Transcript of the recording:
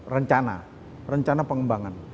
rencana rencana pengembangan